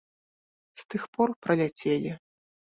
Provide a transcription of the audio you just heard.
З тых пор праляцелі.